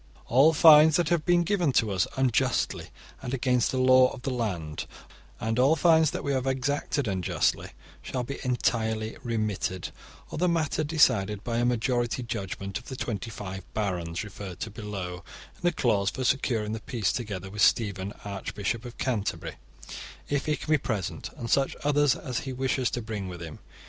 * All fines that have been given to us unjustly and against the law of the land, and all fines that we have exacted unjustly, shall be entirely remitted or the matter decided by a majority judgement of the twenty five barons referred to below in the clause for securing the peace together with Stephen, archbishop of Canterbury, if he can be present, and such others as he wishes to bring with him.